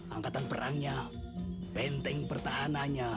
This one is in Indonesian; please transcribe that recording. angkatan perangnya benteng pertahanannya